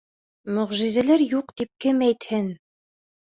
Мөғжизәләр юҡ тип кем әйтһен!